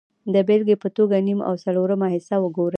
د بېلګې په توګه نیم او څلورمه حصه وګورئ